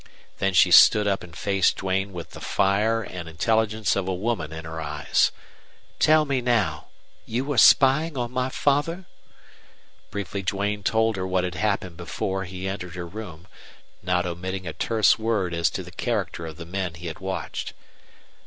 Then she stood up and faced Duane with the fire and intelligence of a woman in her eyes. "Tell me now. You were spying on my father?" Briefly Duane told her what had happened before he entered her room, not omitting a terse word as to the character of the men he had watched.